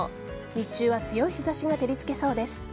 日中は強い日差しが照りつけそうです。